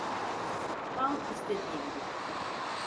Tam istediğim gibi.